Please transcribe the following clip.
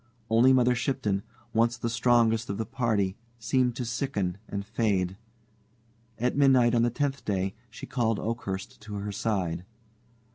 Only Mother Shipton once the strongest of the party seemed to sicken and fade. At midnight on the tenth day she called Oakhurst to her side.